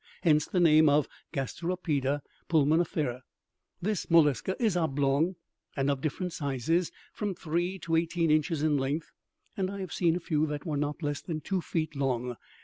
Hence the name of gasteropeda pulmonifera. "This mollusca is oblong, and of different sizes, from three to eighteen inches in length; and I have seen a few that were not less than two feet long.